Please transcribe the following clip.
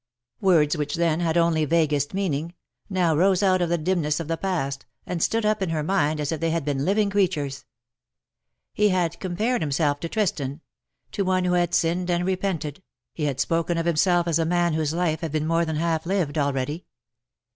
Words, which then VOL. I. s 258 LE SECRET DE POLICHINELLE. had only vaguest meaning, now rose out of the dimness of the past, and stood up in her mind as if they had been living creatures. He had compared himself to Tristan — to one who had sinned and repented — he had spoken of himself as a man whose life had been more than half lived already.